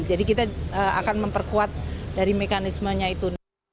jadi kita akan memperkuat dari mekanismenya itu